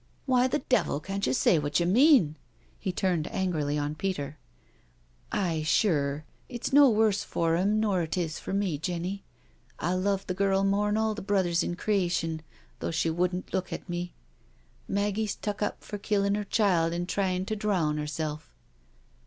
"Why the devil can't you say what you mean?" he turned angrily on Peter. " Aye, sure — it's no worse for 'im nor it is for me, Jenny. I luv the girl mor'n all the brothers in crea tion, though she wouldn't look at me — Maggie's tuk up for killin' 'er child an' tryin' tcS drown 'erself."